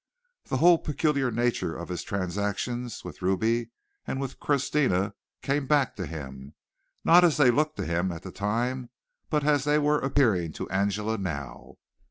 The whole peculiar nature of his transactions with Ruby and with Christina came back to him, not as they had looked to him at the time, but as they were appearing to Angela now.